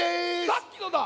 さっきのだ。